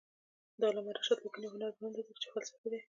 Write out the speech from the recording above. د علامه رشاد لیکنی هنر مهم دی ځکه چې فلسفي دی.